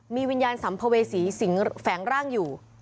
มีวิญญาณสัมภเวษีสิงแฝงร่างอยู่